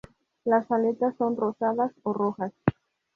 Las aletas son rosadas o rojas.